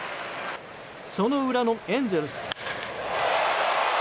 その裏のエンゼルス。